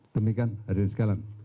demikian ada yang sekalian